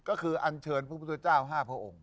ก็คืออันเชิญพระพุทธเจ้า๕พระองค์